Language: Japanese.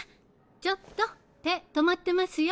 ちょっと手止まってますよ。